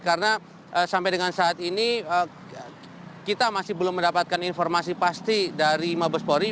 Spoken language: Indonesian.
karena sampai dengan saat ini kita masih belum mendapatkan informasi pasti dari mabespori